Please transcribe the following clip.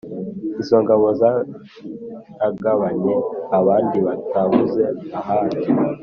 Izo ngabo Zaragabanye abandi Batabuze ahandi!